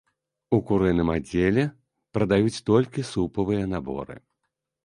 У курыным аддзеле прадаюць толькі супавыя наборы.